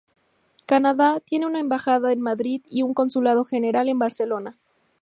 Canadá tiene una embajada en Madrid y un consulado general en Barcelona.